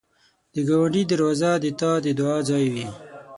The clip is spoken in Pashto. د ګاونډي دروازه د تا د دعا ځای وي